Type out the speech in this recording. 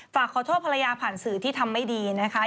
ฝากขอโทษภรรยาผ่านสื่อที่ทำไม่ดีนะคะ